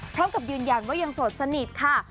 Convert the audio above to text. พร้อมกับยืนยันว่ายังโสดสนิทค่ะ